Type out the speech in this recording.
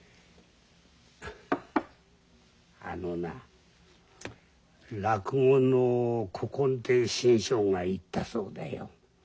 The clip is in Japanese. あのな落語の古今亭志ん生が言ったそうだよ。